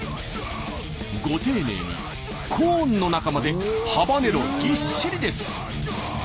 ご丁寧にコーンの中までハバネロぎっしりです。